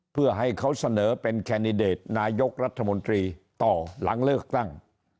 เพื่อให้เขาเสนอเป็นแคนดิเดตนายกรัฐมนตรีต่อหลังเลือกตั้ง